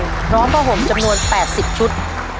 พร้อมผ้าห่มจำนวน๘๐ชุด